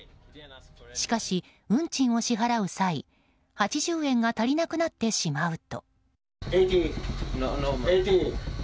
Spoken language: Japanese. しかし、運賃を支払う際８０円が足りなくなってしまうと。